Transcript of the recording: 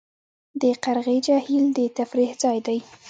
د قرغې جهیل د تفریح ځای دی